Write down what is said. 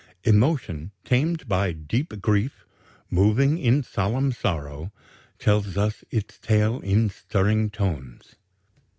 Emotion tamed by deep grief, moving in solemn sorrow, tells us its tale in stirring tones.